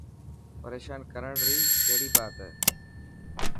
پريشان ڪرڻ ري ڪهڙي بات هي.